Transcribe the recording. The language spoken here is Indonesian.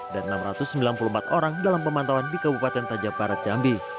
dan enam ratus sembilan puluh empat orang dalam pemantauan di kabupaten tanjabarat jambi